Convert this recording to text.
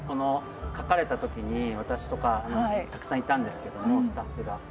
書かれた時に私とかたくさんいたんですけどもスタッフが。